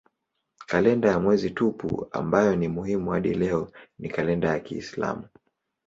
Kalenda ya mwezi tupu ambayo ni muhimu hadi leo ni kalenda ya kiislamu.